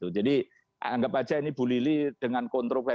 jadi anggap saja ini bu lili dengan kontrol kemampuan